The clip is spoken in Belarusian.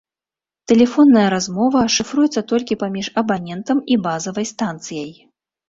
Тэлефонная размова шыфруецца толькі паміж абанентам і базавай станцыяй.